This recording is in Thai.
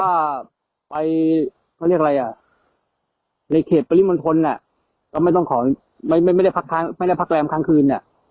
ถ้าไปก็เรียกอะไรอ่ะในเขตปริมนธนไม่ได้พักแรมค้างคืน